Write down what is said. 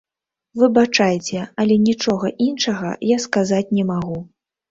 Выбачайце, але нічога іншага я сказаць не магу.